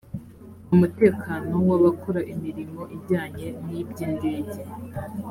umutekano w abakora imirimo ijyanye n iby indege